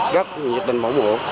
rất nhiệt định bảo ngộ